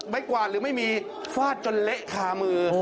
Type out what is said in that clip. กวาดหรือไม่มีฟาดจนเละคามือ